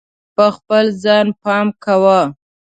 په خپل ځان پام کوه.